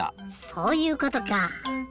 そういうことか。